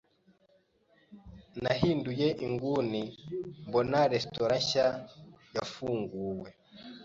Nahinduye inguni mbona resitora nshya yafunguwe.